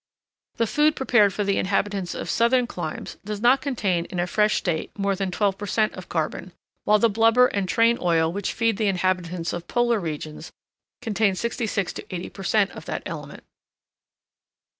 The food prepared for the inhabitants of southern climes does not contain in a fresh state more than 12 per cent. of carbon, while the blubber and train oil which feed the inhabitants of Polar regions contain 66 to 80 per cent. of that element.